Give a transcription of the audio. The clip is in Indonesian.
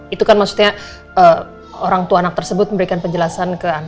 itu kan maksudnya orang tua anak tersebut memberikan penjelasan